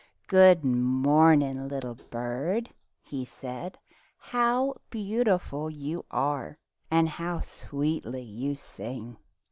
"Good morning, little bird," he said. "How beautiful you are, and how sweetly you sing